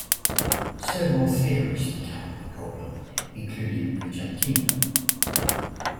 Several theorists attacked the problem, including Vicentino.